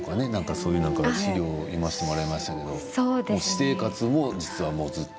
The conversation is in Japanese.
そういう資料を読ませてもらいましたけど私生活も実はずっと。